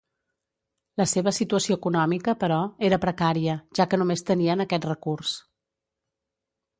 La seva situació econòmica, però, era precària, ja que només tenien aquest recurs.